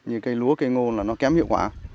như cây lúa cây ngô là nó kém hiệu quả